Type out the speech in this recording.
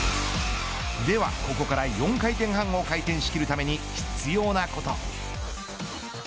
では、ここから４回転半を回転しきるために必要なこと。